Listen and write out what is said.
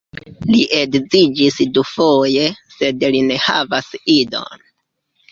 Li edziĝis dufoje, sed li ne havas idon.